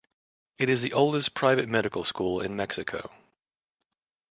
It is the oldest private medical school in Mexico.